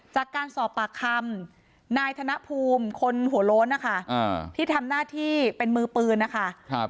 จากการสอบปากคำนายธนภูมิคนหัวโล้นนะคะที่ทำหน้าที่เป็นมือปืนนะคะ